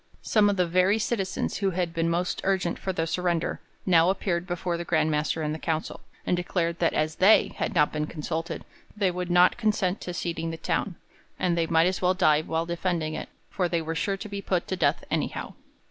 Some of the very citizens who had been most urgent for the surrender now appeared before the Grand Master and the council, and declared that as they had not been consulted they would not consent to ceding the town, and they might as well die while defending it, for they were sure to be put to death anyhow.